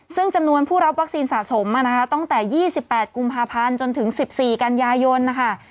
ซึ่งจำนวนผู้รับวัคซีนสะสมมานะคะตั้งแต่๒๘กุมภาพันธ์จนถึง๑๔กันยายนนะคะ